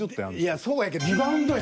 いやそうやけどリバウンドや。